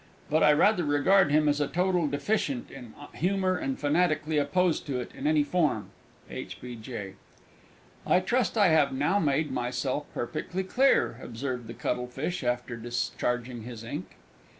But I rather regard him as a total deficient in Humour and fanatically opposed to it in any form. H. B. J. "I trust I have now made myself perfectly clear?" observed the Cuttlefish, after discharging his ink.